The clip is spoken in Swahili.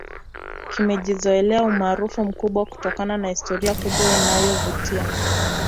kimejizolea umaarufu mkubwa kutokana na historia kubwa inayovutia